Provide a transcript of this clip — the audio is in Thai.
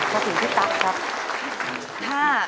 ขอบคุณพี่ตั๊กครับ